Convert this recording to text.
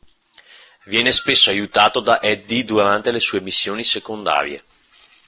Viene spesso aiutato da Eddie durante le sue missioni secondarie.